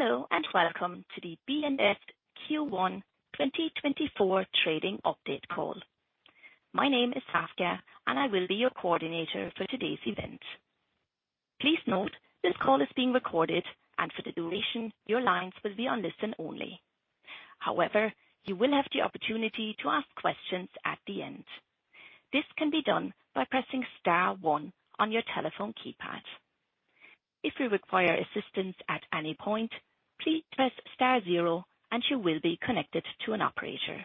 Hello and welcome to the B&S Q1 2024 trading update call. My name is Saskia, and I will be your coordinator for today's event. Please note this call is being recorded, and for the duration your lines will be on listen only. However, you will have the opportunity to ask questions at the end. This can be done by pressing star one on your telephone keypad. If we require assistance at any point, please press star zero and you will be connected to an operator.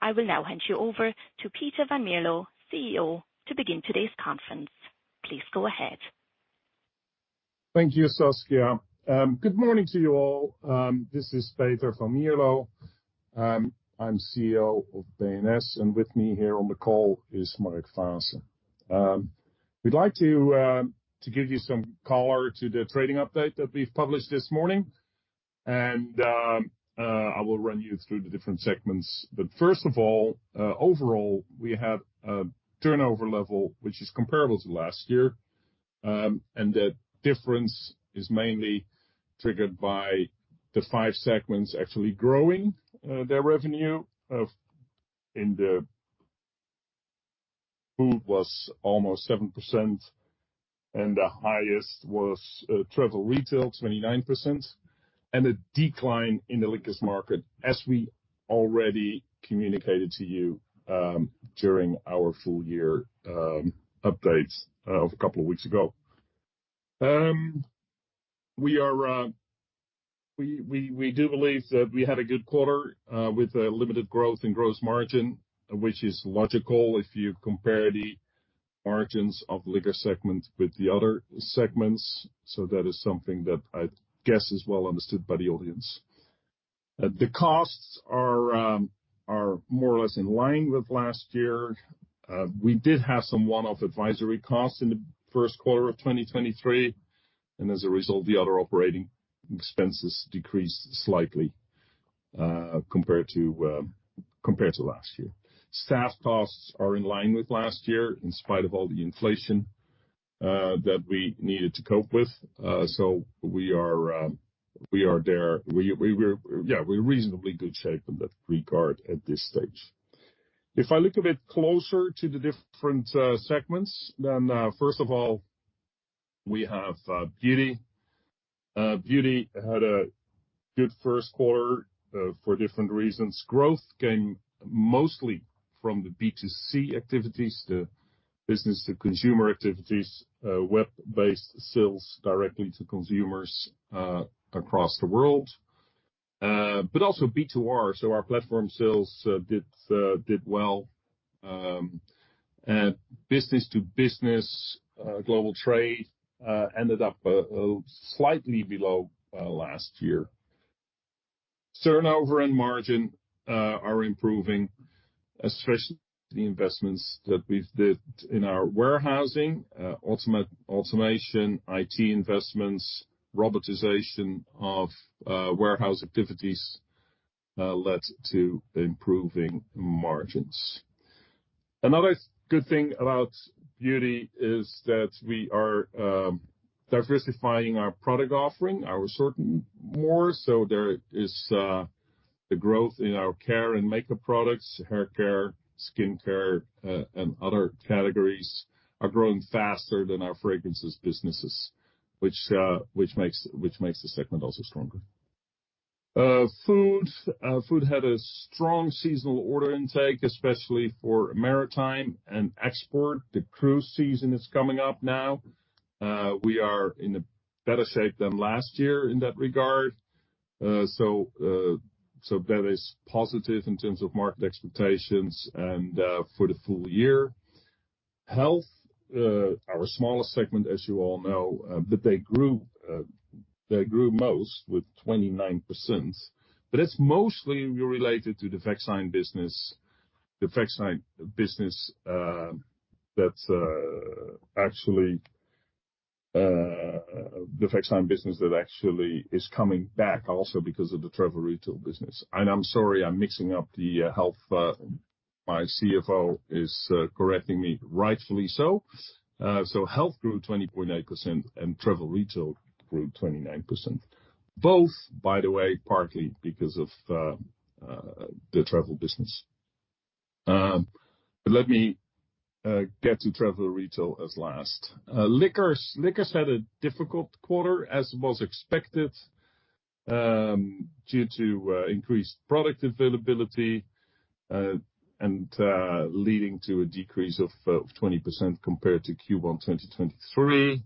I will now hand you over to Peter van Mierlo, CEO, to begin today's conference. Please go ahead. Thank you, Saskia. Good morning to you all. This is Peter van Mierlo. I'm CEO of B&S, and with me here on the call is Mark Faasse. We'd like to give you some color to the trading update that we've published this morning, and I will run you through the different segments. But first of all, overall we have a turnover level which is comparable to last year, and that difference is mainly triggered by the five segments actually growing their revenue. In the Food was almost 7%, and the highest was Travel Retail, 29%, and a decline in the liquor market, as we already communicated to you during our full year updates of a couple of weeks ago. We do believe that we had a good quarter with limited growth and gross margin, which is logical if you compare the margins of the Liquor segment with the other segments. So that is something that I guess is well understood by the audience. The costs are more or less in line with last year. We did have some one-off advisory costs in the first quarter of 2023, and as a result, the other operating expenses decreased slightly, compared to last year. Staff costs are in line with last year in spite of all the inflation that we needed to cope with. So we are there, we're yeah, we're in reasonably good shape in that regard at this stage. If I look a bit closer to the different segments, then first of all, we have Beauty. Beauty had a good first quarter, for different reasons. Growth came mostly from the B2C activities, the business-to-consumer activities, web-based sales directly to consumers across the world, but also B2R. So our platform sales did well. And business-to-business global trade ended up slightly below last year. Turnover and margin are improving, especially the investments that we've did in our warehousing, automation, IT investments, robotization of warehouse activities led to improving margins. Another good thing about Beauty is that we are diversifying our product offering, our assortment more. So there is a growth in our care and makeup products. Hair care, skin care, and other categories are growing faster than our fragrances businesses, which makes the segment also stronger. Food had a strong seasonal order intake, especially for maritime and export. The cruise season is coming up now. We are in a better shape than last year in that regard. So, so that is positive in terms of market expectations and for the full year. Health, our smallest segment, as you all know, but they grew, they grew most with 29%. But it's mostly related to the vaccine business, the vaccine business, that's actually the vaccine business that actually is coming back also because of the Travel Retail business. And I'm sorry I'm mixing up the health, my CFO is correcting me rightfully so. So Health grew 20.8% and Travel Retail grew 29%, both, by the way, partly because of the travel business. But let me get to Travel Retail as last. Liquors had a difficult quarter as was expected, due to increased product availability, and leading to a decrease of 20% compared to Q1 2023.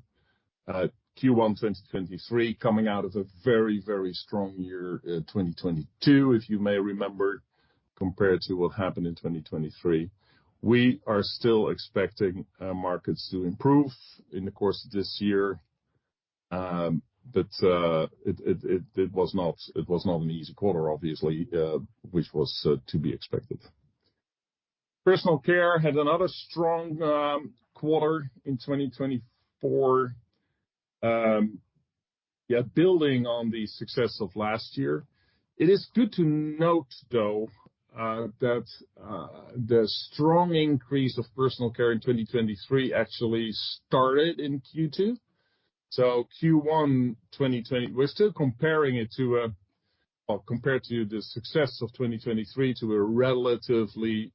Q1 2023 coming out of a very, very strong year, 2022, if you may remember, compared to what happened in 2023. We are still expecting markets to improve in the course of this year, but it was not an easy quarter, obviously, which was to be expected. Personal Care had another strong quarter in 2024, yeah, building on the success of last year. It is good to note, though, that the strong increase of Personal Care in 2023 actually started in Q2. So Q1 2024 we're still comparing it to a, well, compared to the success of 2023 to a relatively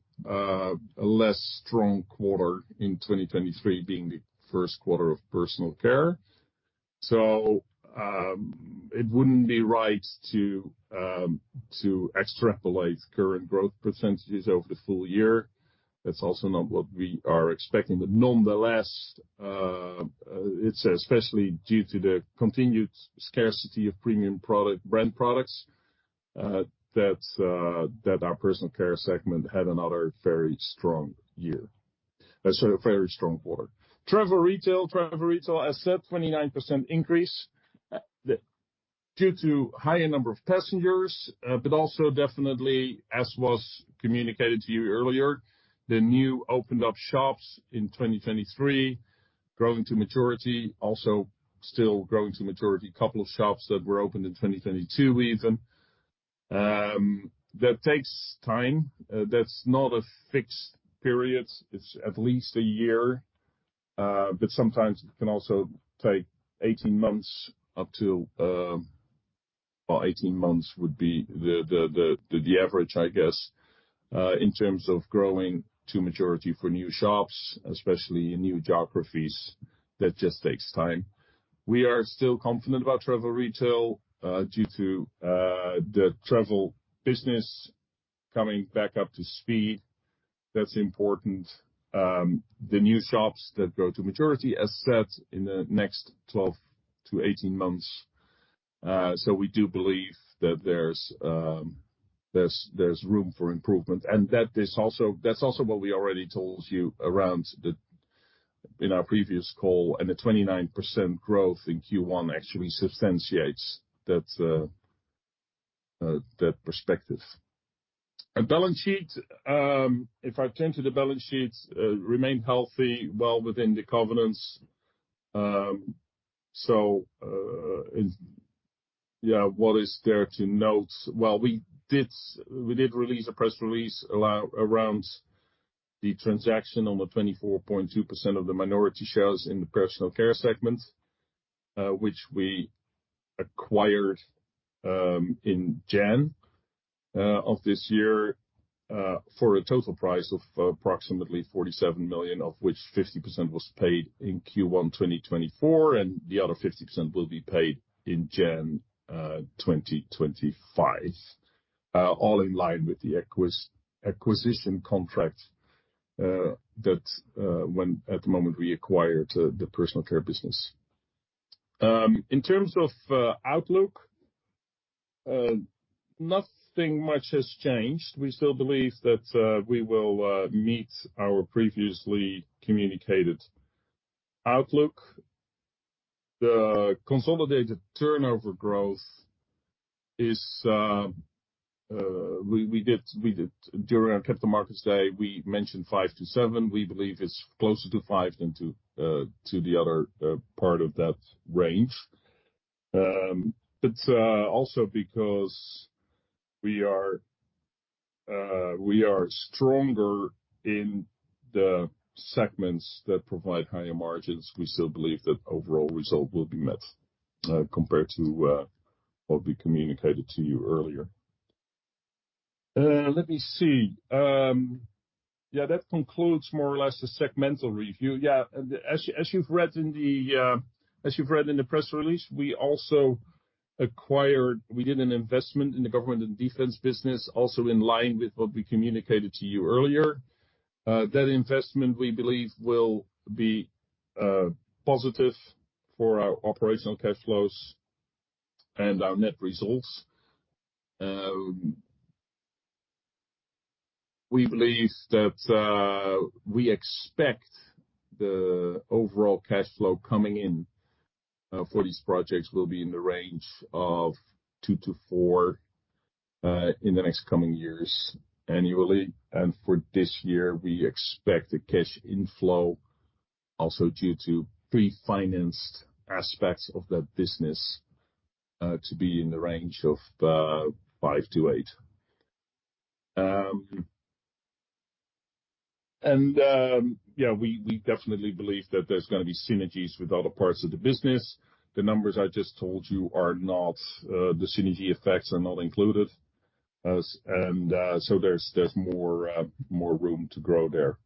less strong quarter in 2023 being the first quarter of Personal Care. So it wouldn't be right to extrapolate current growth percentages over the full year. That's also not what we are expecting. Nonetheless, it's especially due to the continued scarcity of premium product brand products that our Personal Care segment had another very strong year, so a very strong quarter. Travel Retail, as said, 29% increase due to higher number of passengers, but also definitely, as was communicated to you earlier, the new opened-up shops in 2023 growing to maturity, also still growing to maturity, a couple of shops that were opened in 2022 even. That takes time. That's not a fixed period. It's at least a year, but sometimes it can also take 18 months up to, well, 18 months would be the average, I guess, in terms of growing to maturity for new shops, especially in new geographies. That just takes time. We are still confident about Travel Retail due to the travel business coming back up to speed. That's important. The new shops that go to maturity, as said, in the next 12-18 months. So we do believe that there's, there's, there's room for improvement, and that is also that's also what we already told you around the in our previous call, and the 29% growth in Q1 actually substantiates that, that perspective. And balance sheet, if I turn to the balance sheet, remained healthy, well within the covenants. So, in yeah, what is there to note? Well, we did release a press release a little while ago around the transaction on the 24.2% of the minority shares in the Personal Care segment, which we acquired, in January of this year, for a total price of approximately 47 million, of which 50% was paid in Q1 2024, and the other 50% will be paid in January 2025, all in line with the acquisition contract, that, when, at the moment we acquired the Personal Care business. In terms of outlook, nothing much has changed. We still believe that we will meet our previously communicated outlook. The consolidated turnover growth is, we did during our Capital Markets Day, we mentioned 5%-7%. We believe it's closer to 5% than to the other part of that range. But also because we are—we are stronger in the segments that provide higher margins, we still believe that overall result will be met compared to what we communicated to you earlier. Let me see. Yeah, that concludes more or less the segmental review. Yeah, and as you've read in the press release, we also acquired. We did an investment in the Government and Defense business, also in line with what we communicated to you earlier. That investment, we believe, will be positive for our operational cash flows and our net results. We believe that we expect the overall cash flow coming in for these projects will be in the range of 2 million-4 million in the coming years annually. For this year, we expect the cash inflow, also due to pre-financed aspects of that business, to be in the range of EUR 5-EUR 8. Yeah, we definitely believe that there's gonna be synergies with other parts of the business. The numbers I just told you are not, the synergy effects are not included, and so there's more room to grow there.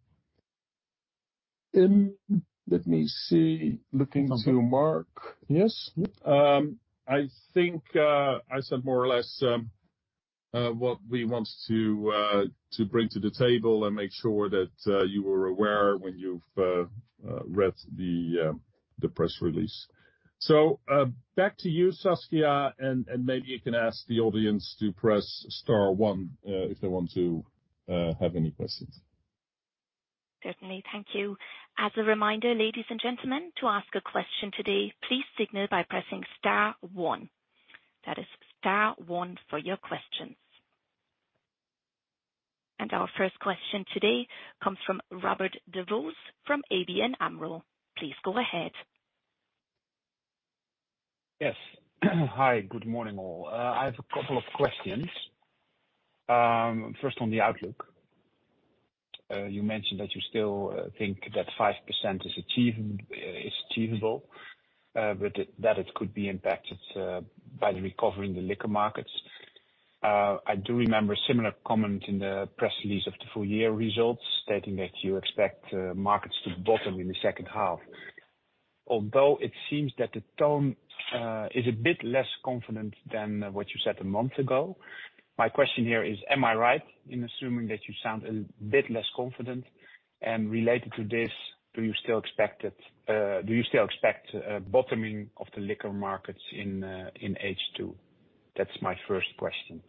Let me see. Looking to Mark. Yes. I think I said more or less what we want to bring to the table and make sure that you were aware when you've read the press release. So, back to you, Saskia, and maybe you can ask the audience to press star one if they want to have any questions. Certainly. Thank you. As a reminder, ladies and gentlemen, to ask a question today, please signal by pressing star one. That is star one for your questions. And our first question today comes from Robert Jan Vos from ABN AMRO. Please go ahead. Yes. Hi. Good morning, all. I have a couple of questions. First on the outlook. You mentioned that you still think that 5% is achievable, but that it could be impacted by the recovery in the liquor markets. I do remember a similar comment in the press release of the full year results stating that you expect markets to bottom in the second half. Although it seems that the tone is a bit less confident than what you said a month ago, my question here is, am I right in assuming that you sound a bit less confident? And related to this, do you still expect bottoming of the liquor markets in H2? That's my first question.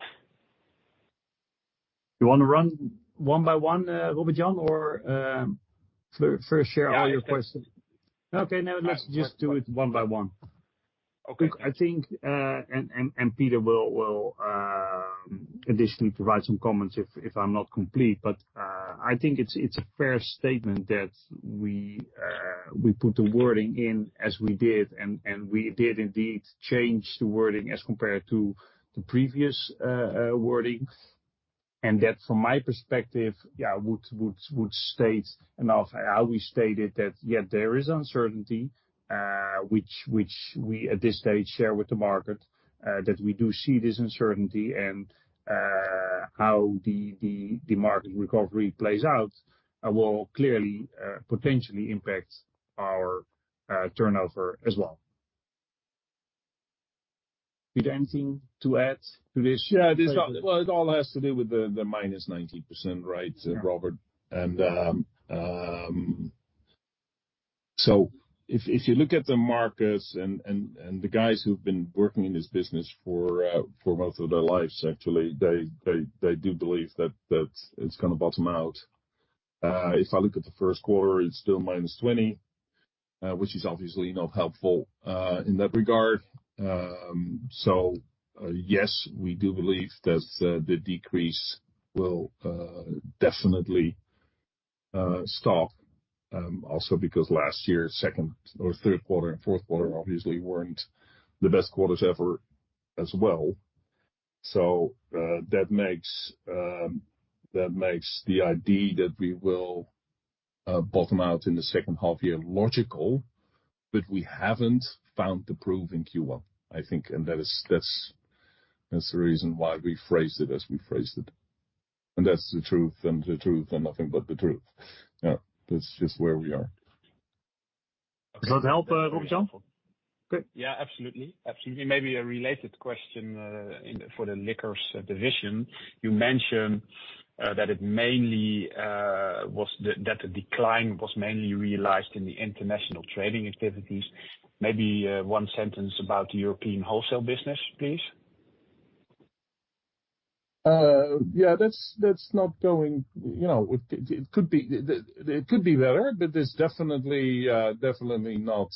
You wanna run one by one, Robert Jan, or first share all your questions? Yeah. Okay. Now let's just do it one by one. Okay. I think Peter will additionally provide some comments if I'm not complete. But I think it's a fair statement that we put the wording in as we did, and we did indeed change the wording as compared to the previous wording. And that, from my perspective, yeah, would state enough how we stated that, yeah, there is uncertainty, which we at this stage share with the market, that we do see this uncertainty and how the market recovery plays out, will clearly potentially impact our turnover as well. Peter, anything to add to this? Yeah. This all, well, it all has to do with the -90%, right, Robert? Yeah. So if you look at the markets and the guys who've been working in this business for most of their lives, actually, they do believe that it's gonna bottom out. If I look at the first quarter, it's still -20%, which is obviously not helpful in that regard. So yes, we do believe that the decrease will definitely stop, also because last year, second or third quarter and fourth quarter, obviously, weren't the best quarters ever as well. So that makes the idea that we will bottom out in the second half year logical, but we haven't found the proof in Q1, I think. And that is, that's the reason why we phrased it as we phrased it. And that's the truth and the truth and nothing but the truth. Yeah. That's just where we are. Does that help, Robert Jan Vos? Good. Yeah. Absolutely. Absolutely. Maybe a related question, in the Liquors division. You mentioned that it mainly was that the decline was mainly realized in the international trading activities. Maybe one sentence about the European wholesale business, please. Yeah. That's not going—you know, it could be better, but there's definitely not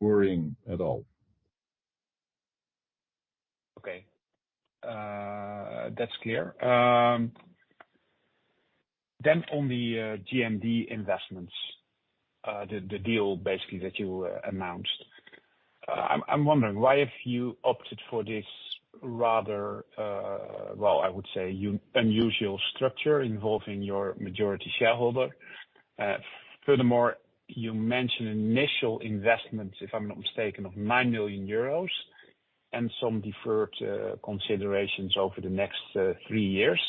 worrying at all. Okay. That's clear. Then on the G&D investments, the deal basically that you announced, I'm wondering why have you opted for this rather—well, I would say unusual—structure involving your majority shareholder? Furthermore, you mentioned initial investments, if I'm not mistaken, of 9 million euros and some deferred considerations over the next three years.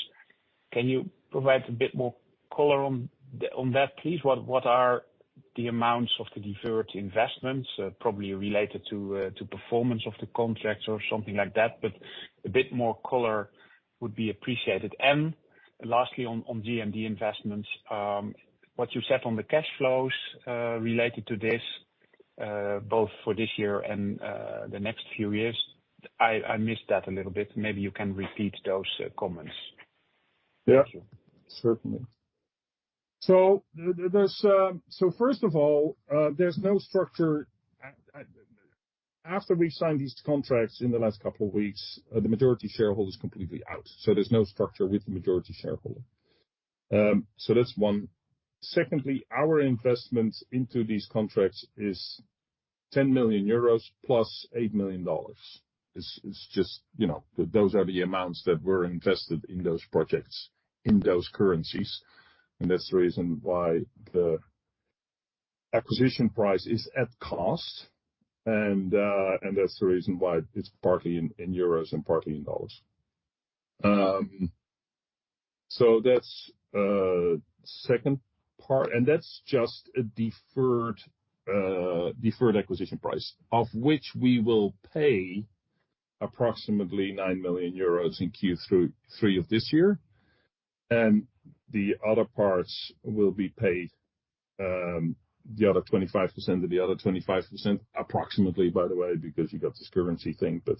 Can you provide a bit more color on that, please? What are the amounts of the deferred investments, probably related to performance of the contracts or something like that, but a bit more color would be appreciated? And lastly, on G&D investments, what you said on the cash flows related to this, both for this year and the next few years, I missed that a little bit. Maybe you can repeat those comments. Yeah. Thank you. Yeah. Certainly. So first of all, there's no structure after we signed these contracts in the last couple of weeks, the majority shareholder's completely out. So there's no structure with the majority shareholder. So that's one. Secondly, our investment into these contracts is 10 million euros plus $8 million. It's just you know, those are the amounts that were invested in those projects in those currencies. And that's the reason why the acquisition price is at cost. And that's the reason why it's partly in euros and partly in dollars. So that's second part. And that's just a deferred acquisition price of which we will pay approximately 9 million euros in Q3 of this year. And the other parts will be paid, the other 25% and the other 25% approximately, by the way, because you got this currency thing, but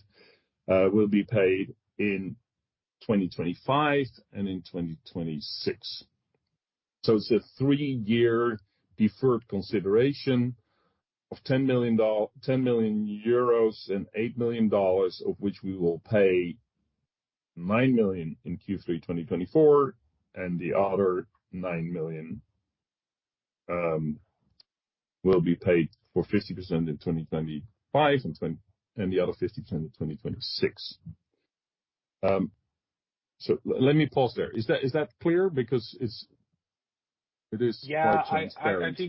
will be paid in 2025 and in 2026. So it's a three-year deferred consideration of EUR 10 million and $8 million, of which we will pay 9 million in Q3 2024, and the other 9 million will be paid for 50% in 2025 and the other 50% in 2026. So let me pause there. Is that clear? Because it is quite transparent.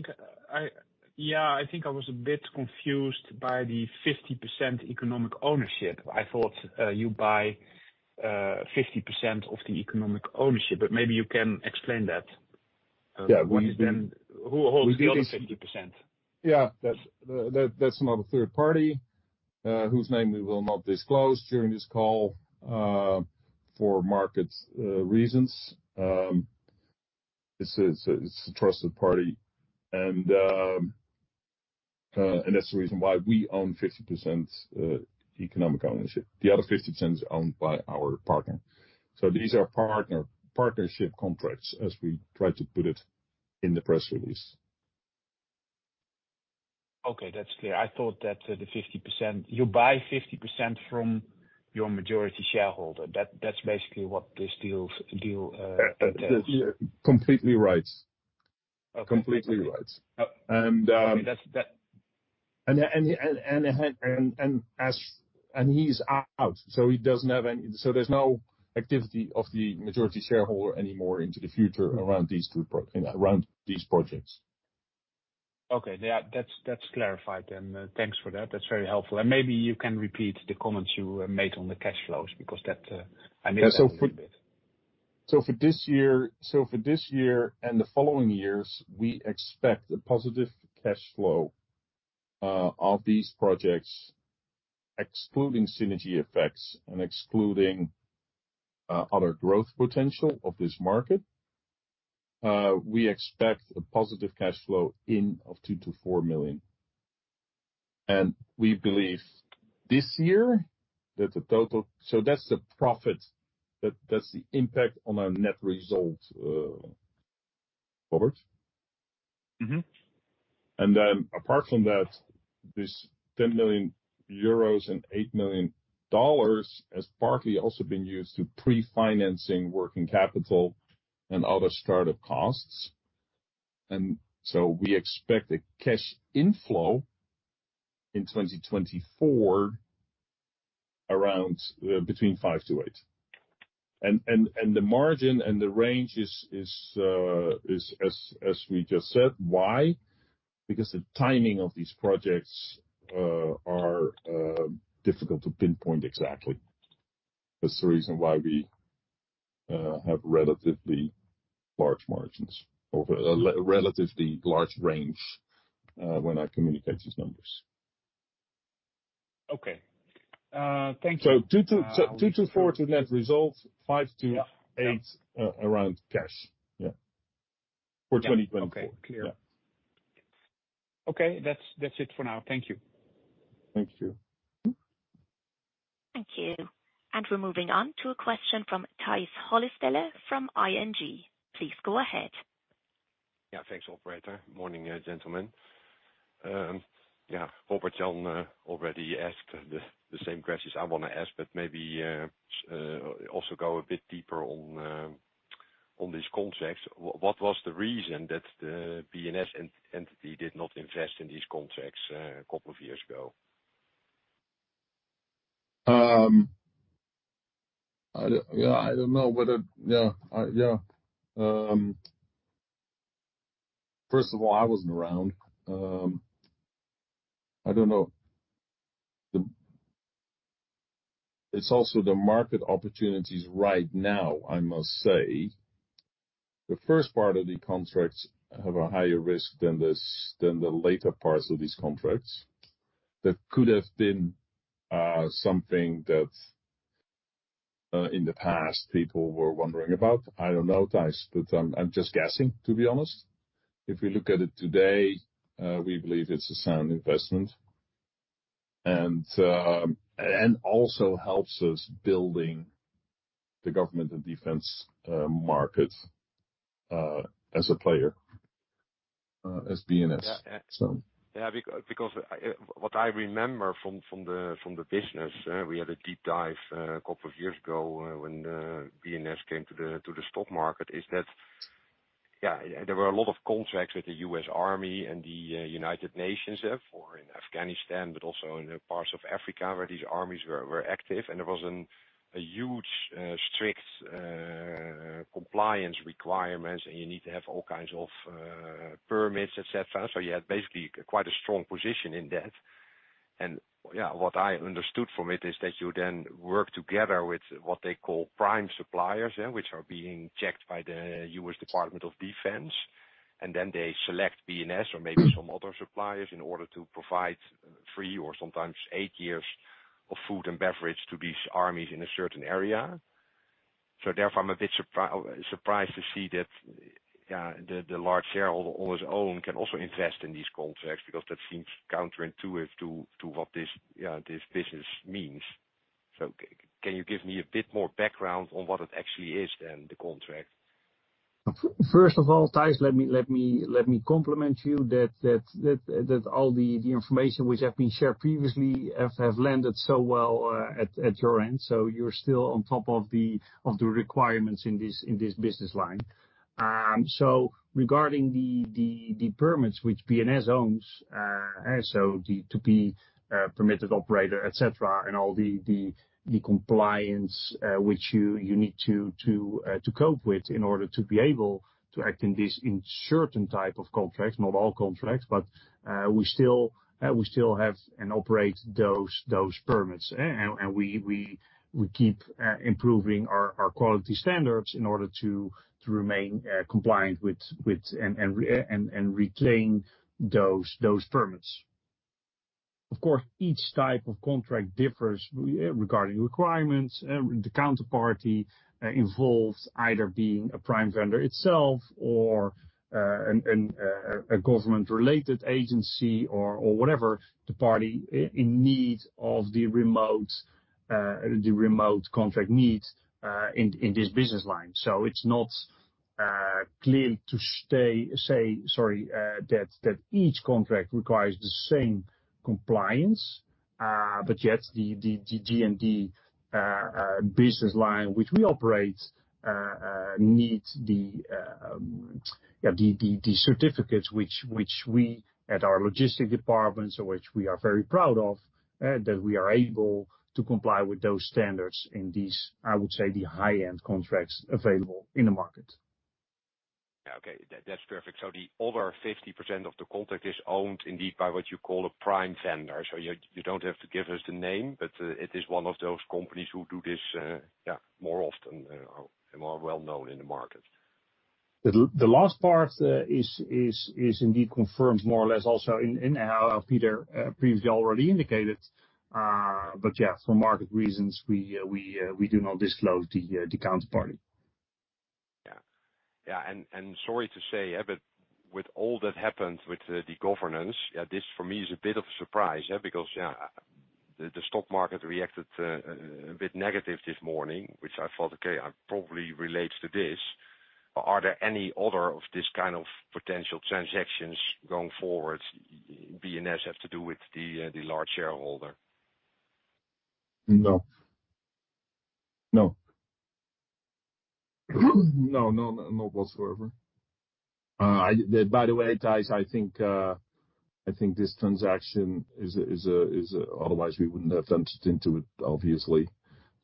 Yeah. I think I was a bit confused by the 50% economic ownership. I thought you buy 50% of the economic ownership, but maybe you can explain that. What, then? Who holds the other 50%? Yeah. That's another third party, whose name we will not disclose during this call, for market reasons. It's a trusted party. And that's the reason why we own 50% economic ownership. The other 50% is owned by our partner. So these are partnership contracts, as we tried to put it in the press release. Okay. That's clear. I thought that the 50% you buy 50% from your majority shareholder. That's basically what this deal entails. Yeah. Completely right. Okay. Completely right. Okay. That's that. And as he's out, so he doesn't have any, so there's no activity of the majority shareholder anymore in the future around these two, you know, around these projects. Okay. Yeah. That's, that's clarified then. Thanks for that. That's very helpful. And maybe you can repeat the comments you made on the cash flows because that I missed that a little bit. Yeah. So for this year and the following years, we expect a positive cash flow of these projects, excluding synergy effects and excluding other growth potential of this market. We expect a positive cash flow of 2 million-4 million. And we believe this year that the total, so that's the profit. That, that's the impact on our net result, Robert. Mm-hmm. And then apart from that, this 10 million euros and $8 million has partly also been used to pre-financing working capital and other startup costs. And so we expect a cash inflow in 2024 around between 5 million-8 million. And the margin and the range is as we just said. Why? Because the timing of these projects are difficult to pinpoint exactly. That's the reason why we have relatively large margins over a relatively large range when I communicate these numbers. Okay. Thank you. So 2 million-4 million net result, 5 million-8 million around cash. Yeah. For 2024. Yeah. Okay. Clear. Okay. That's it for now. Thank you. Thank you. Thank you. And we're moving on to a question from Tijs Hollestelle from ING. Please go ahead. Yeah. Thanks, operator. Morning, gentlemen. Yeah. Robert Jan already asked the same questions I wanna ask, but maybe also go a bit deeper on these contracts. What was the reason that the B&S entity did not invest in these contracts a couple of years ago? Yeah. I don't know whether yeah. Yeah. First of all, I wasn't around. I don't know. It's also the market opportunities right now, I must say. The first part of the contracts have a higher risk than the later parts of these contracts. That could have been something that, in the past, people were wondering about. I don't know, Tijs, but I'm just guessing, to be honest. If we look at it today, we believe it's a sound investment and also helps us building the government and defense market as a player as B&S, so. Yeah. Yeah. Because what I remember from the business, we had a deep dive a couple of years ago, when B&S came to the stock market, is that, yeah, there were a lot of contracts with the U.S. Army and the United Nations, in Afghanistan, but also in the parts of Africa where these armies were active. And there was a huge, strict compliance requirements, and you need to have all kinds of permits, etc. So you had basically quite a strong position in that. And yeah, what I understood from it is that you then work together with what they call prime suppliers, yeah, which are being checked by the U.S. Department of Defense. And then they select B&S or maybe some other suppliers in order to provide free or sometimes eight years of food and beverage to these armies in a certain area. So therefore, I'm a bit surprised to see that, yeah, the large shareholder on his own can also invest in these contracts because that seems counterintuitive to what this, yeah, this business means. So can you give me a bit more background on what it actually is than the contract? First of all, Tijs, let me compliment you that all the information which have been shared previously have landed so well at your end. So you're still on top of the requirements in this business line. So regarding the permits, which B&S owns, so the to be permitted operator, etc., and all the compliance, which you need to cope with in order to be able to act in this certain type of contracts, not all contracts, but we still have and operate those permits, and we keep improving our quality standards in order to remain compliant with and retain those permits. Of course, each type of contract differs regarding requirements. The counterparty involved, either being a prime vendor itself or a government-related agency or whatever the party in need of the remote contract needs, in this business line. So it's not clear to say, sorry, that each contract requires the same compliance, but yet the G&D business line, which we operate, need the certificates which we at our logistics department, so which we are very proud of, that we are able to comply with those standards in these, I would say, the high-end contracts available in the market. Yeah. Okay. That's terrific. So the over 50% of the contract is owned indeed by what you call a prime vendor. So you don't have to give us the name, but it is one of those companies who do this, yeah, more often, or more well-known in the market. The last part is indeed confirmed more or less also in how Peter previously already indicated. But yeah, for market reasons, we do not disclose the counterparty. Yeah. Yeah. And sorry to say, yeah, but with all that happened with the governance, yeah, this for me is a bit of a surprise, yeah, because yeah, the stock market reacted a bit negative this morning, which I thought, "Okay. I probably relate to this." But are there any other of this kind of potential transactions going forward B&S have to do with the large shareholder? No. No. No. No, not whatsoever. I thought by the way, Tijs, I think this transaction is otherwise, we wouldn't have ventured into it, obviously.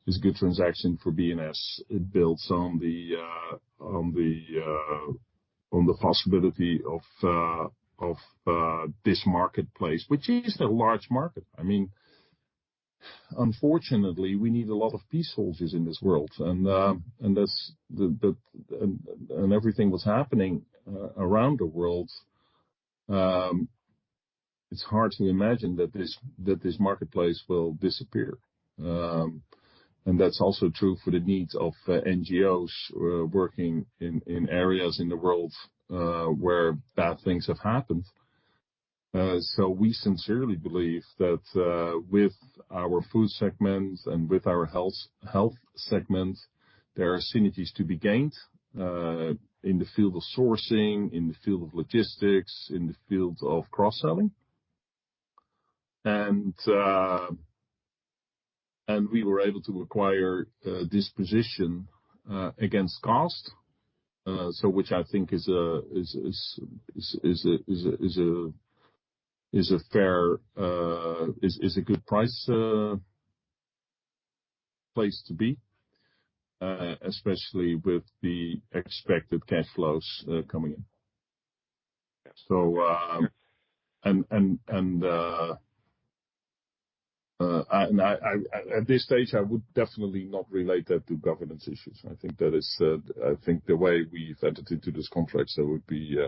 It's a good transaction for B&S. It builds on the possibility of this marketplace, which is a large market. I mean, unfortunately, we need a lot of peace soldiers in this world. And that's the but, and everything that's happening around the world, it's hard to imagine that this marketplace will disappear. And that's also true for the needs of NGOs working in areas in the world where bad things have happened. So we sincerely believe that with our food segments and with our health segments, there are synergies to be gained in the field of sourcing, in the field of logistics, in the field of cross-selling. And we were able to acquire this position against cost, so which I think is a fair, is a good price place to be, especially with the expected cash flows coming in. So, at this stage, I would definitely not relate that to governance issues. I think that is the way we've entered into this contract. There would be,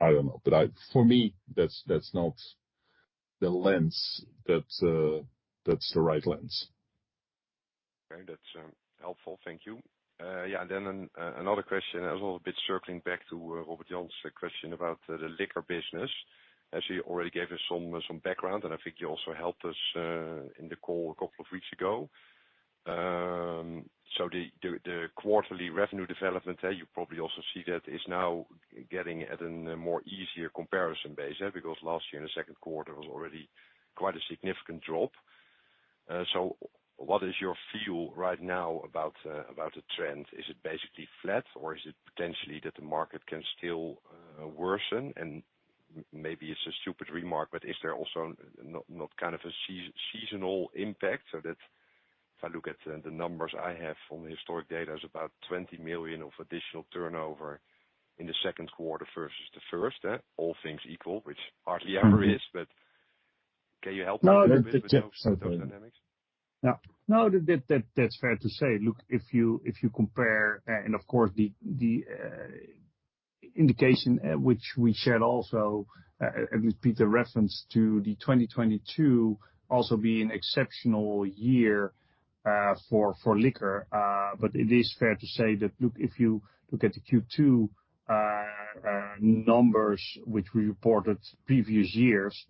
I don't know. But for me, that's not the lens. That's the right lens. Okay. That's helpful. Thank you. Yeah. And then another question. I was also a bit circling back to Robert Jan's question about the liquor business. As you already gave us some background, and I think you also helped us in the call a couple of weeks ago. So the quarterly revenue development, you probably also see that is now getting at a more easier comparison base, yeah, because last year, in the second quarter, was already quite a significant drop. So what is your feel right now about the trend? Is it basically flat, or is it potentially that the market can still worsen? And maybe it's a stupid remark, but is there also not kind of a sea-seasonal impact? So that if I look at the numbers I have from the historic data, it's about 20 million of additional turnover in the second quarter versus the first, all things equal, which hardly ever is. But can you help me a little bit with those dynamics? No. No. That's, that's, that's fair to say. Look, if you if you compare, and of course, the, the indication, which we shared also, and, and Peter referenced to, the 2022 also being an exceptional year, for, for liquor. But it is fair to say that, look, if you look at the Q2 numbers which we reported previous years,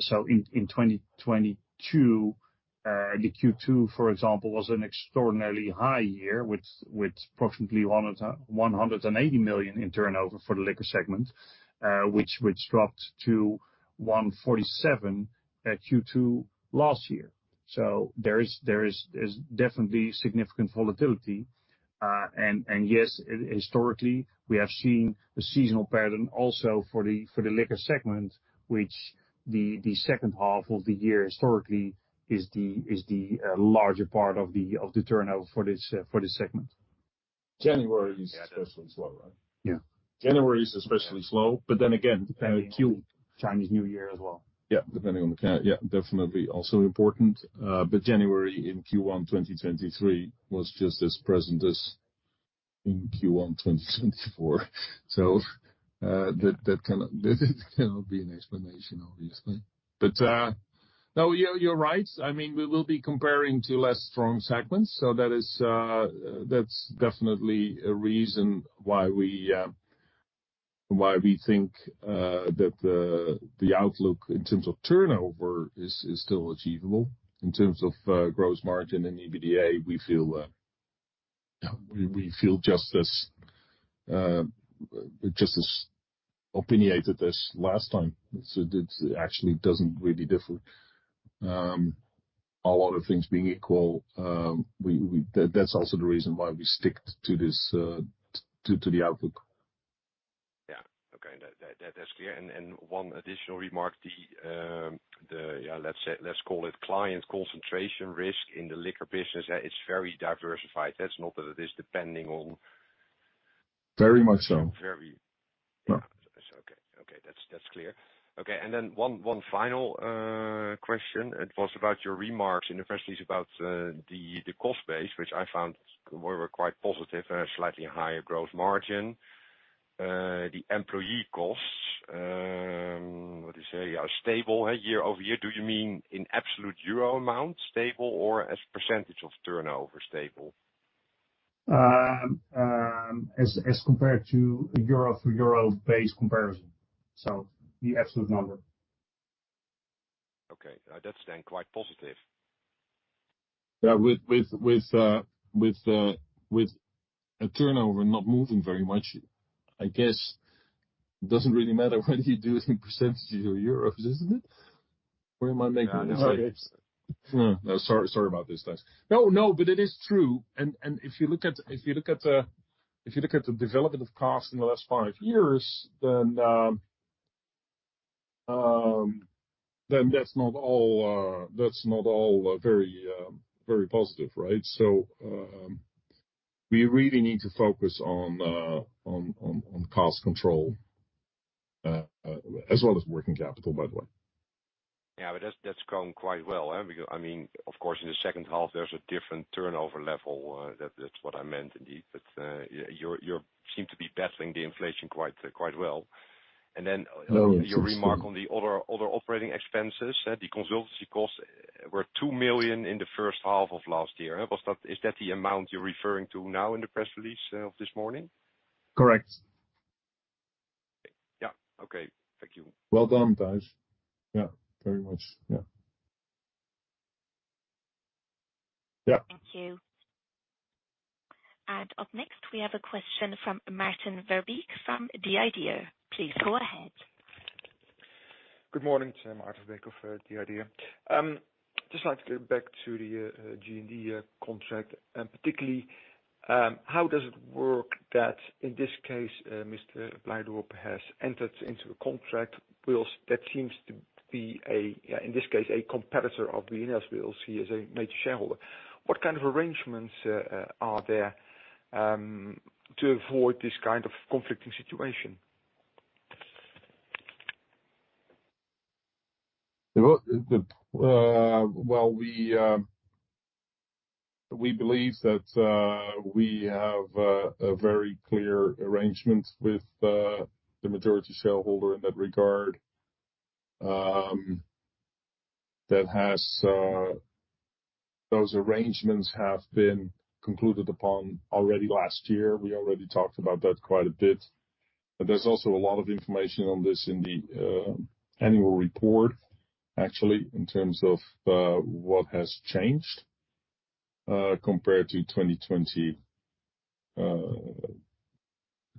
so in 2022, the Q2, for example, was an extraordinarily high year with approximately 180 million in turnover for the Liquor segment, which dropped to 147 million at Q2 last year. So there is definitely significant volatility. And yes, historically, we have seen a seasonal pattern also for the Liquor segment, which the second half of the year historically is the larger part of the turnover for this segment. January is especially slow, right? Yeah. January is especially slow. But then again- Depending on Chinese New Year as well. Yeah. Depending on the calendar yeah. Definitely also important. But January in Q1 2023 was just as present as in Q1 2024. So, that cannot be an explanation, obviously. But no, you're right. I mean, we will be comparing to less strong segments. So that is, that's definitely a reason why we think that the outlook in terms of turnover is still achievable. In terms of gross margin and EBITDA, we feel, yeah. We feel just as opinionated as last time. So it actually doesn't really differ. All other things being equal, we, that's also the reason why we stuck to this, to the outlook. Yeah. Okay. And that's clear. And one additional remark, the yeah. Let's say let's call it client concentration risk in the liquor business, yeah, it's very diversified. That's not that it is depending on. Very much so. Very yeah. So okay. Okay. That's clear. Okay. And then one final question. It was about your remarks, and especially it's about the cost base, which I found were quite positive, slightly higher gross margin. The employee costs, what do you say? Yeah. Stable, year-over-year. Do you mean in absolute euro amount stable or as percentage of turnover stable? As compared to. Euro for euro base comparison, so the absolute number. Okay. That's then quite positive. Yeah. With a turnover not moving very much, I guess, doesn't really matter what you do in percentages or euros, doesn't it? Where am I making mistakes? No. No. Sorry. Sorry about this, Tijs. No, no. But it is true. If you look at the development of costs in the last five years, then that's not all very positive, right? So, we really need to focus on cost control, as well as working capital, by the way. Yeah. But that's gone quite well, because I mean, of course, in the second half, there's a different turnover level, that's what I meant indeed. But you seem to be battling the inflation quite well. And then your remark on the other operating expenses, the consultancy costs, were 2 million in the first half of last year, is that the amount you're referring to now in the press release of this morning? Correct. Yeah. Okay. Thank you. Well done, Tijs. Yeah. Very much. Yeah. Yeah. Thank you. Up next, we have a question from Maarten Verbeek from The IDEA! Please go ahead. Good morning. It's Maarten Verbeek of The IDEA! Just like to go back to the G&D contract, and particularly, how does it work that in this case, Mr. Blijdorp has entered into a contract with that seems to be a yeah. In this case, a competitor of B&S, whereas he is a major shareholder. What kind of arrangements are there to avoid this kind of conflicting situation? Well, we believe that we have a very clear arrangement with the majority shareholder in that regard. Those arrangements have been concluded upon already last year. We already talked about that quite a bit. There's also a lot of information on this in the annual report, actually, in terms of what has changed, compared to 2020,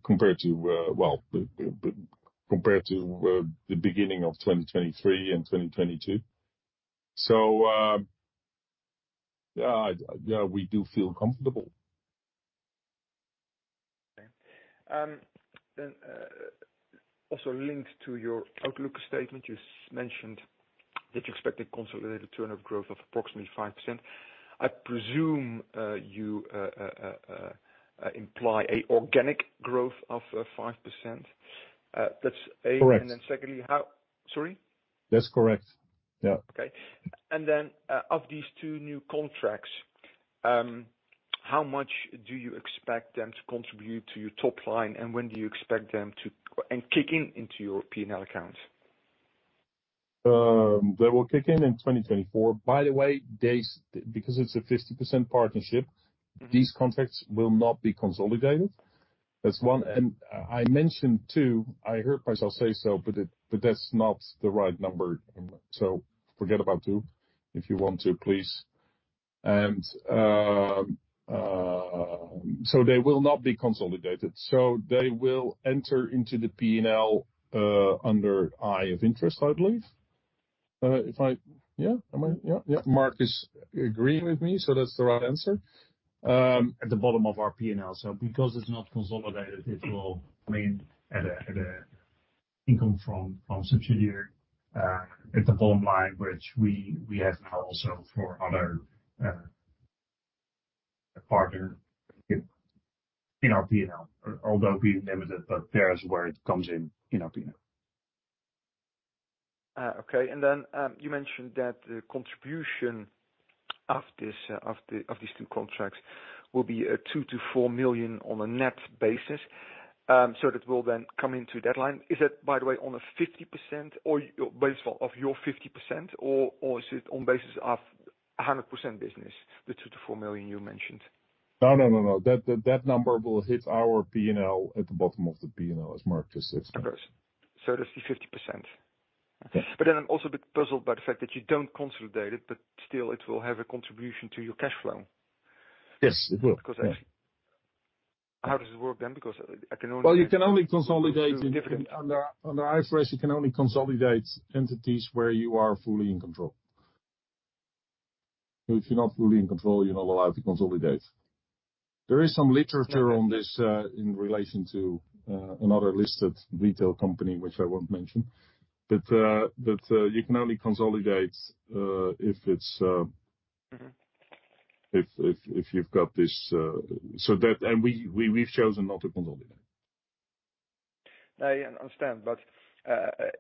compared to, well, the beginning of 2023 and 2022. So, yeah. I yeah. We do feel comfortable. Okay. Then, also linked to your outlook statement, you mentioned that you expect a consolidated turnover growth of approximately 5%. I presume you imply an organic growth of 5%. That's. And then secondly, how— sorry? That's correct. Yeah. Okay. And then, of these two new contracts, how much do you expect them to contribute to your top line, and when do you expect them to kick in into your P&L accounts? They will kick in in 2024. By the way, these because it's a 50% partnership, these contracts will not be consolidated. That's one. And I mentioned two. I heard myself say so, but that's not the right number. So forget about two if you want to, please. So they will not be consolidated. So they will enter into the P&L, under other income, I believe. Yeah. Mark is agreeing with me, so that's the right answer, at the bottom of our P&L. So because it's not consolidated, it will remain as income from subsidiary, at the bottom line, which we have now also for other partners in our P&L, although being limited, but there is where it comes in in our P&L. Okay. And then, you mentioned that the contribution of this, of these two contracts will be 2 million-4 million on a net basis, so that will then come into deadline. Is that, by the way, on a 50% or you based off of your 50%, or, or is it on basis of 100% business, the 2 million-4 million you mentioned? No. No. No. No. That, that, that number will hit our P&L at the bottom of the P&L, as Mark just explained. Okay. So that's the 50%. But then I'm also a bit puzzled by the fact that you don't consolidate it, but still, it will have a contribution to your cash flow. Yes. It will. Yeah. Because actually, how does it work then? Because I can only- Well, you can only consolidate under IFRS, you can only consolidate entities where you are fully in control. If you're not fully in control, you're not allowed to consolidate. There is some literature on this, in relation to, another listed retail company, which I won't mention. But you can only consolidate if it's if you've got this so that and we've chosen not to consolidate. No, I understand. But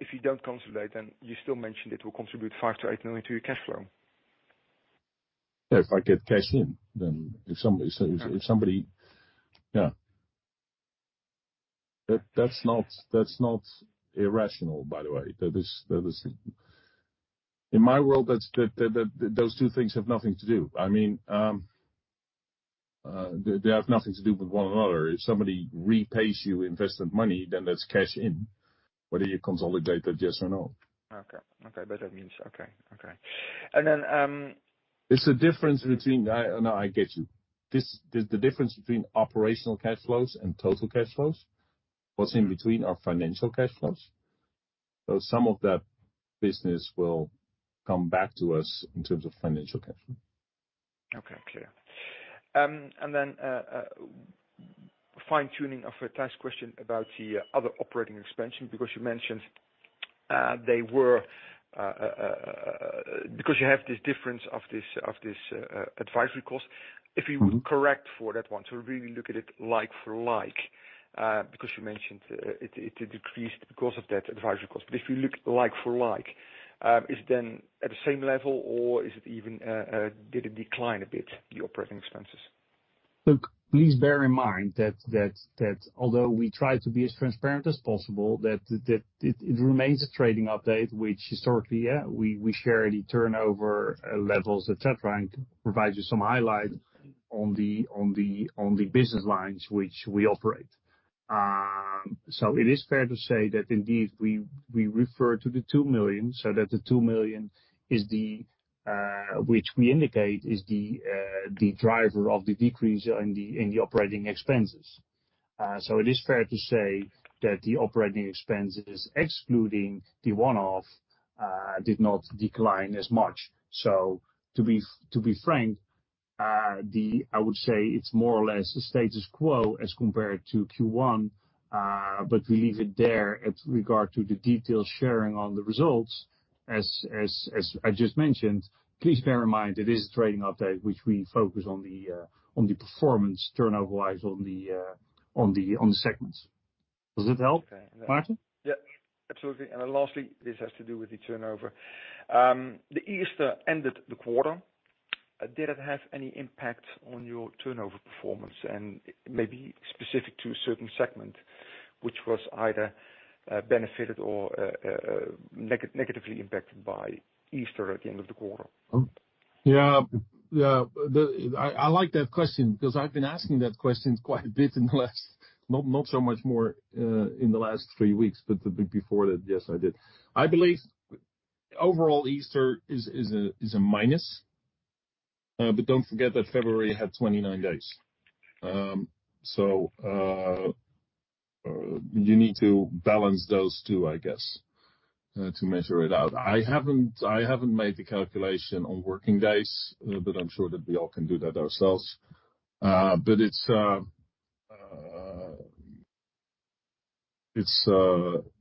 if you don't consolidate, then you still mentioned it will contribute 5 million-8 million to your cash flow. Yeah. If I get cash in, then if somebody yeah. That's not irrational, by the way. That is in my world that's those two things have nothing to do. I mean, they have nothing to do with one another. If somebody repays you invested money, then that's cash in. Whether you consolidate that yes or no. Okay. But that means okay. And then- -it's a difference between I no. I get you. This is the difference between operational cash flows and total cash flows. What's in between are financial cash flows. So some of that business will come back to us in terms of financial cash flow. Okay. Clear. And then, fine-tuning of Tijs' question about the other operating expenses because you mentioned they were, because you have this difference of this advisory cost. If you would correct for that one, so really look at it like for like, because you mentioned it decreased because of that advisory cost. But if you look like for like, is it then at the same level, or is it even, did it decline a bit, the operating expenses? Look, please bear in mind that although we try to be as transparent as possible, that it remains a trading update, which historically, yeah, we share the turnover levels, etc., and provide you some highlight on the business lines, which we operate. So it is fair to say that indeed, we refer to the 2 million so that the 2 million is which we indicate is the driver of the decrease in the operating expenses. So it is fair to say that the operating expenses, excluding the one-off, did not decline as much. So to be frank, I would say it's more or less a status quo as compared to Q1, but we leave it there at regard to the detailed sharing on the results. As I just mentioned, please bear in mind it is a trading update, which we focus on the performance turnover-wise on the segments. Does that help, Maarten? Yeah. Absolutely. And then lastly, this has to do with the turnover. The Easter ended the quarter. Did it have any impact on your turnover performance? And maybe specific to a certain segment, which was either benefited or negatively impacted by Easter at the end of the quarter. Yeah. Yeah. I like that question because I've been asking that question quite a bit in the last not so much more in the last three weeks, but before that, yes, I did. I believe overall, Easter is a minus, but don't forget that February had 29 days. You need to balance those two, I guess, to measure it out. I haven't I haven't made the calculation on working days, but I'm sure that we all can do that ourselves. It's, it's,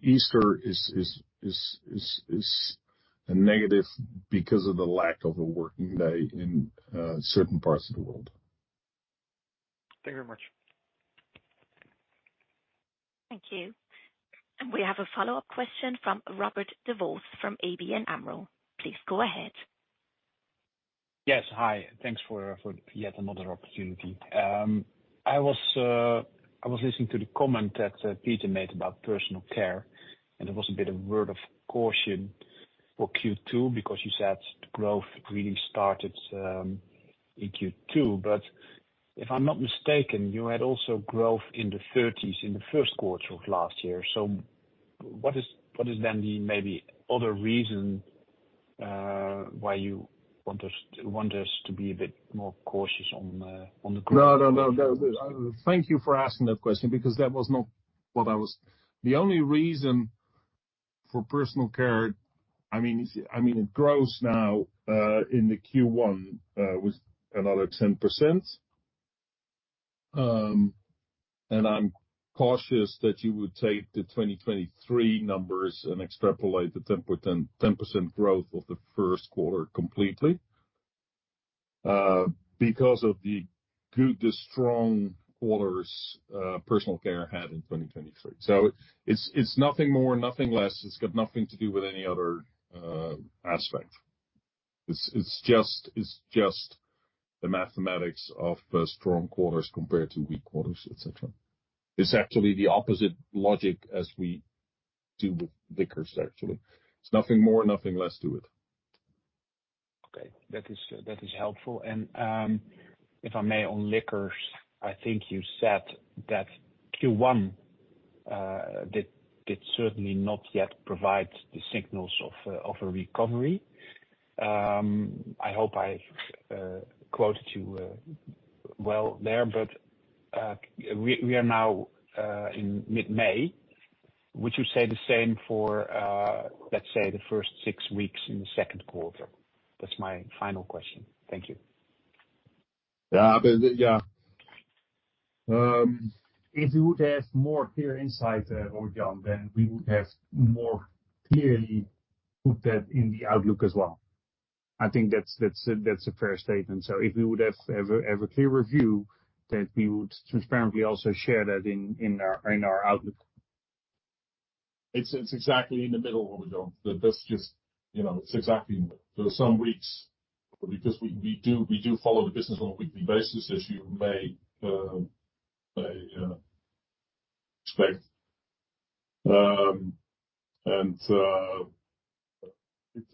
Easter is, is, is, is, is a negative because of the lack of a working day in certain parts of the world. Thank you very much. Thank you. We have a follow-up question from Robert Jan Vos from ABN AMRO. Please go ahead. Yes. Hi. Thanks for, for yet another opportunity. I was, I was listening to the comment that Peter made about personal care, and it was a bit of word of caution for Q2 because you said growth really started in Q2. If I'm not mistaken, you had also growth in the 30s in the first quarter of last year. So what is then the maybe other reason why you want us to be a bit more cautious on the growth? No. Thank you for asking that question because that was not what I was – the only reason for personal care. I mean, it grows now in the Q1 with another 10%. And I'm cautious that you would take the 2023 numbers and extrapolate the 10% growth of the first quarter completely, because of the strong quarters personal care had in 2023. So it's nothing more, nothing less. It's got nothing to do with any other aspect. It's just the mathematics of strong quarters compared to weak quarters, etc. It's actually the opposite logic as we do with liquors, actually. It's nothing more, nothing less to it. Okay. That is helpful. If I may, on liquors, I think you said that Q1 did certainly not yet provide the signals of a recovery. I hope I quoted you well there. But we are now in mid-May. Would you say the same for, let's say, the first six weeks in the second quarter? That's my final question. Thank you. Yeah. But yeah. If you would have more clear insight, Robert Jan, then we would have more clearly put that in the outlook as well. I think that's a fair statement. So if we would have ever clear review, that we would transparently also share that in our outlook. It's exactly in the middle, Robert Jan. That's just you know, it's exactly in the middle. There are some weeks because we do follow the business on a weekly basis, as you may expect.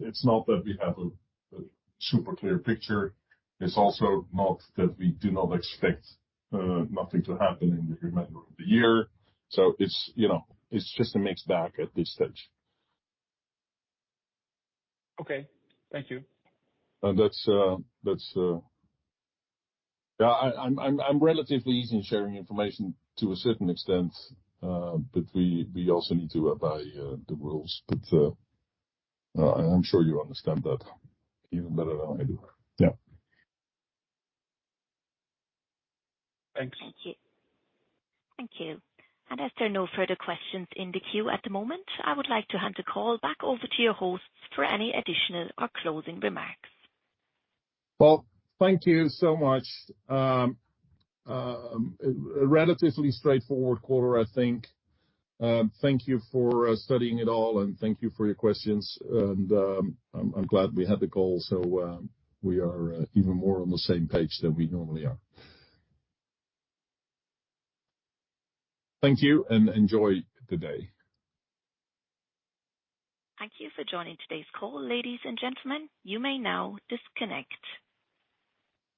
It's not that we have a super clear picture. It's also not that we do not expect nothing to happen in the remainder of the year. So it's, you know, it's just a mixed bag at this stage. Okay. Thank you. And that's, yeah. I'm relatively easy in sharing information to a certain extent, but we also need to abide the rules. But I'm sure you understand that even better than I do. Yeah. Thanks. Thank you. Thank you. And as there are no further questions in the queue at the moment, I would like to hand the call back over to your hosts for any additional or closing remarks. Well, thank you so much. A relatively straightforward quarter, I think. Thank you for studying it all, and thank you for your questions. I'm glad we had the call, so we are even more on the same page than we normally are. Thank you and enjoy the day. Thank you for joining today's call, ladies and gentlemen. You may now disconnect.